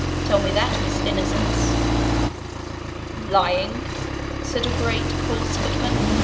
Tell me that, Miss Innocence.' 'Lying!' said a great, coarse footman.